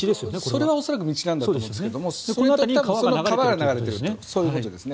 それは恐らく道だと思うんですがここに川が流れているということなんです。